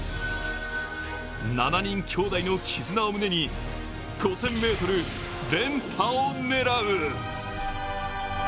７人兄弟の絆を胸に、５０００ｍ連覇を狙う。